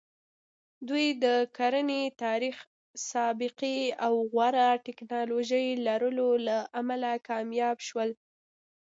دوی د کرنې تاریخي سابقې او غوره ټکنالوژۍ لرلو له امله کامیاب شول.